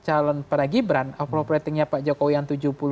yang menggunakan apropiating nya pak jokowi yang tujuh puluh delapan puluh